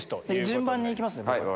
順番に行きますね。